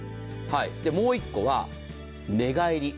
もう一個は、寝返り。